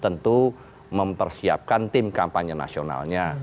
tentu mempersiapkan tim kampanye nasionalnya